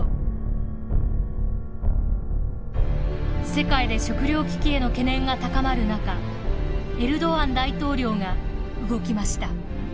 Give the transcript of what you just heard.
世界で食糧危機への懸念が高まる中エルドアン大統領が動きました。